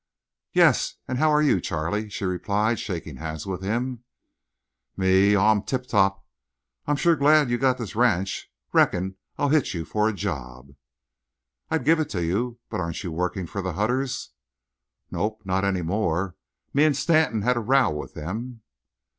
"Yes. And how are you, Charley?" she replied, shaking hands with him. "Me? Aw, I'm tip top. I'm shore glad you got this ranch. Reckon I'll hit you for a job." "I'd give it to you. But aren't you working for the Hutters?" "Nope. Not any more. Me an' Stanton had a row with them."